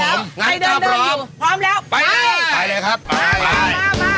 ใช่แล้วงานก็พร้อมพร้อมแล้วไปเลยป้ายเลยครับป้าย